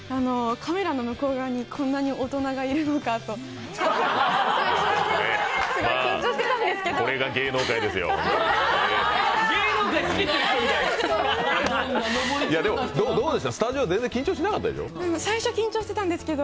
カメラの向こう側にこんなに大人がいるのかと緊張してたんですけど。